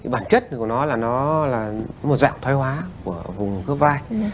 bản chất của nó là một dạng thoai hóa của vùng khớp vai